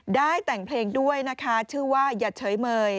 ได้แต่งเพลงด้วยนะคะชื่อว่าอย่าเฉยเมย